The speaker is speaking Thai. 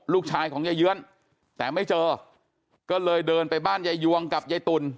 ลูกชายของยายเยื้อนแต่ไม่เจอก็เลยเดินไปบ้านยายยวงกับยายตุ๋น